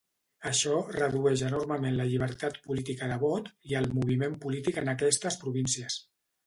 Això redueix enormement la llibertat política de vot i el moviment polític en aquestes províncies.